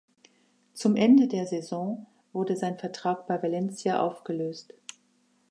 Zum Ende der Saison wurde sein Vertrag bei Valencia aufgelöst.